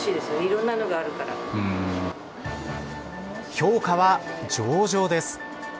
評価は上々です。